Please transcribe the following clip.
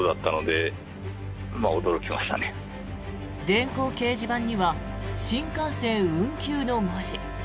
電光掲示板には新幹線運休の文字。